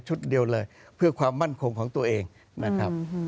เดียวเลยเพื่อความมั่นคงของตัวเองนะครับ